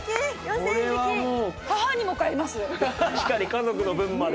確かに家族の分まで。